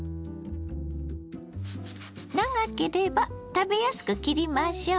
長ければ食べやすく切りましょう。